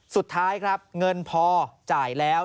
สุดท้ายครับเงินพอจ่ายแล้ว